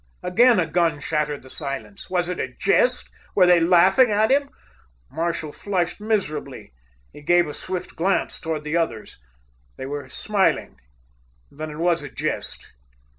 Again a gun shattered the silence. Was it a jest? Were they laughing at him? Marshall flushed miserably. He gave a swift glance toward the others. They were smiling. Then it was a jest.